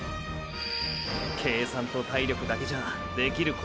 計算と体力だけじゃあできることじゃない！